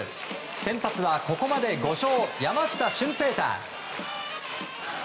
先発はここまで５勝山下舜平大。